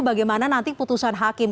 bagaimana nanti keputusan hakim